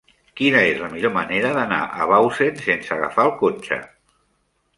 Quina és la millor manera d'anar a Bausen sense agafar el cotxe?